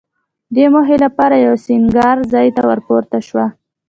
دې موخې لپاره یوه سینګار ځای ته ورپورته شوه.